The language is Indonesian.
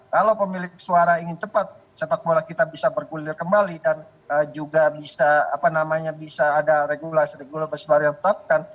kalau pemilik suara ingin cepat sepak bola kita bisa bergulir kembali dan juga bisa ada regulasi regulasi baru yang ditetapkan